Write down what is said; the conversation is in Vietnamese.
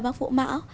bác vũ mão